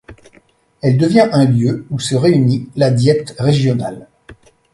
Elle devient un lieu où se réunit la diète régionale.